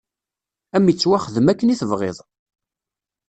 Ad m-ittwaxdem akken i tebɣiḍ!